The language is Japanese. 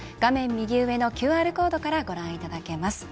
右上のＱＲコードからご覧いただけます。